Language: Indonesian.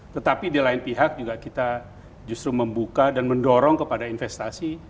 tetapi di lain pihak juga kita justru membuka dan mendorong kepada investasi